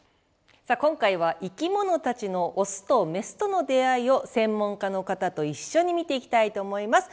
さあ今回は生きものたちのオスとメスとの出会いを専門家の方と一緒に見ていきたいと思います。